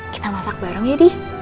kita masak bareng ya deh